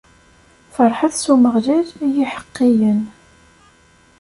Ferḥet s Umeɣlal, ay yiḥeqqiyen!